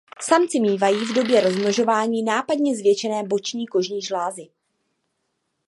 Samci mívají v době rozmnožování nápadně zvětšené boční kožní žlázy.